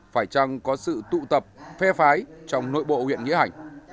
phải chăng có sự tụ tập phe phái trong nội bộ huyện nghĩa hành